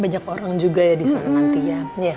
banyak orang juga ya di sana nanti ya